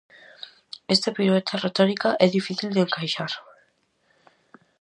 Esta pirueta retórica é difícil de encaixar.